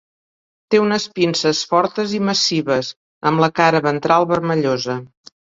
Té unes pinces fortes i massives, amb la cara ventral vermellosa.